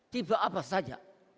tipe apa saja